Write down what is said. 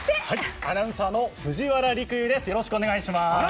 アナウンサーの藤原陸遊です。